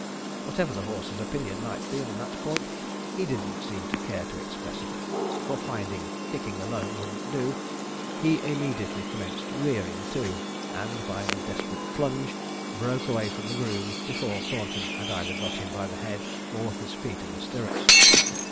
Whatever the horse's opinion might be on that point, he didn't seem to care to express it, for finding kicking alone wouldn't do, he immediately commenced rearing too, and by a desperate plunge, broke away from the groom, before Thornton had either got him by the head or his feet in the stirrups.